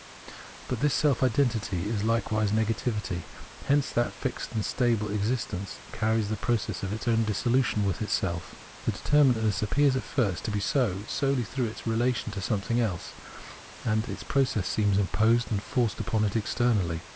But this self identity is Uke wise negativity ; hence that fixed and stable exist ence carries the process of its own dissolution within itself. The determinateness appears at first to be so solely through its relation to something else ; and its process seems imposed and forced upon it externally.